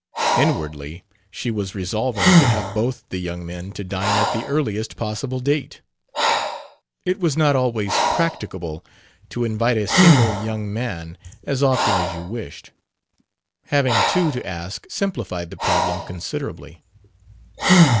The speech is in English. Inwardly, she was resolving to have both the young men to dine at the earliest possible date. It was not always practicable to invite a single young man as often as you wished. Having two to ask simplified the problem considerably.